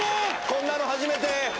こんなの初めて！